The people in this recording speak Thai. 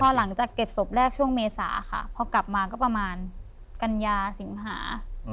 หลังจากเก็บศพแรกช่วงเมษาค่ะพอกลับมาก็ประมาณกันยาสิงหา